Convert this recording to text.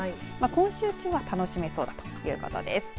今週中は楽しめそうだということです。